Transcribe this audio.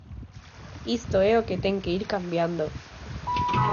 Isto é o que ten que ir cambiando.